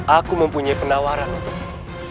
aku mempunyai penawaran untukmu